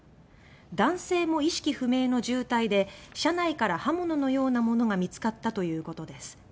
男性も意識不明の重体で車内から刃物のようなものが見つかったということです。